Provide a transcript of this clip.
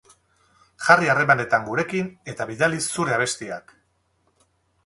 Jarri harremaetan gurekin eta bidali zuen abestiak!